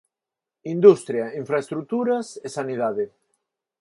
Industria, infraestruturas e sanidade.